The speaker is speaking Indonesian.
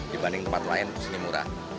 dibanding tempat lain di sini murah